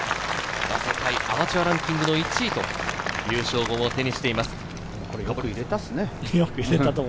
世界アマチュアランキングの１位という称号も手にしています。